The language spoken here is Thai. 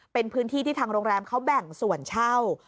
เป็นพื้นที่ที่ทางโรงแรมเขาแบ่งส่วนเช่า